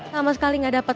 sama sekali nggak dapat